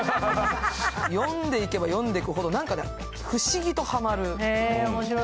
読んでいけば読んでいくほど不思議とはまる。